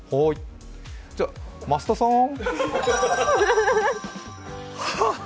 じゃあ増田さーん。